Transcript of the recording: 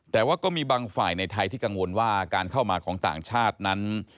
แต่ว่าก็มีบางฝ่ายในไทยที่กังวลว่าการเข้ามาของต่างชาตินั้น